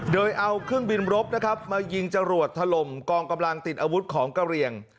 โดยเอาเครื่องบินรบนะครับมายิงจรวดถล่มกองกำลังติดอาวุธของกะเรียง